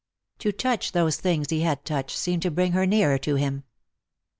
To touch those things he had touched seemed to bring her nearer to him.